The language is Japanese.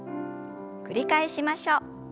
繰り返しましょう。